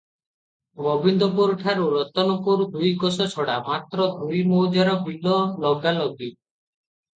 ଗୋବିନ୍ଦପୁରଠାରୁ ରତନପୁର ଦୁଇକୋଶ ଛଡ଼ା; ମାତ୍ର ଦୁଇ ମୌଜାର ବିଲ ଲଗା ଲଗି ।